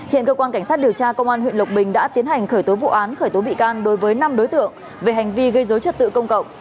hiện cơ quan cảnh sát điều tra công an huyện lộc bình đã tiến hành khởi tố vụ án khởi tố bị can đối với năm đối tượng về hành vi gây dối trật tự công cộng